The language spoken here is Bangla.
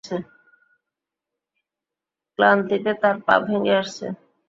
ক্লান্তিতে তাঁর পা ভেঙে আসছে।